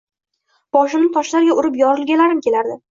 Boshimni toshlarga urib yorgilarim keladi